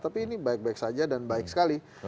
tapi ini baik baik saja dan baik sekali